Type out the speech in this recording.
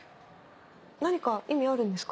何か意味あるんですか？